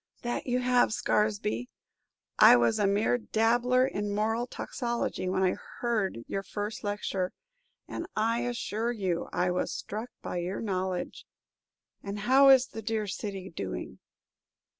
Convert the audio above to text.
"That you have, Scaresby. I was a mere dabbler in moral toxicology when I heard your first lecture, and, I assure you, I was struck by your knowledge. And how is the dear city doing?"